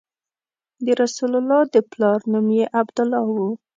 د رسول الله د پلار نوم یې عبدالله و.